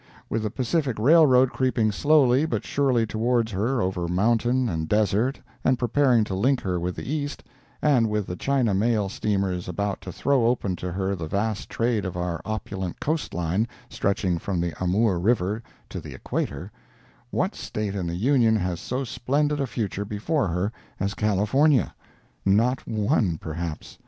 With the Pacific Railroad creeping slowly but surely toward her over mountain and desert and preparing to link her with the East, and with the China mail steamers about to throw open to her the vast trade of our opulent coast line stretching from the Amoor river to the equator, what State in the Union has so splendid a future before her as California? Not one, perhaps.